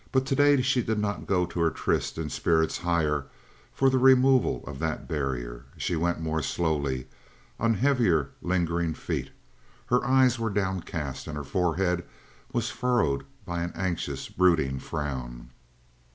But today she did not go to her tryst in spirits higher for the removal of that barrier. She went more slowly, on heavier, lingering feet. Her eyes were downcast, and her forehead was furrowed by an anxious, brooding frown.